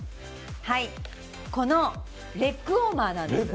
このレッグウォーマーなんです。